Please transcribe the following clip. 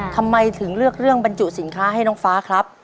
ทำไมถึงเลือกเรื่องบรรจุสินค้าให้น้องฟ้าครับ